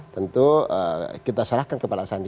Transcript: tentu kita serahkan kepada sandi